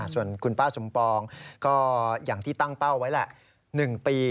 ส่วนคุณป้าสมปองก็อย่างที่ตั้งเป้าไว้แหละ๑ปี